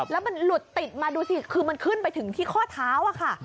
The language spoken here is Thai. แล้วมันหลุดติดมาดูสิคือมันขึ้นไปถึงที่ข้อเท้าอะค่ะ